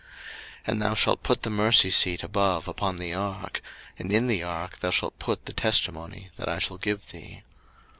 02:025:021 And thou shalt put the mercy seat above upon the ark; and in the ark thou shalt put the testimony that I shall give thee.